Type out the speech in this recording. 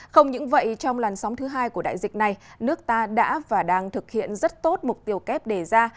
không những vậy trong làn sóng thứ hai của đại dịch này nước ta đã và đang thực hiện rất tốt mục tiêu kép đề ra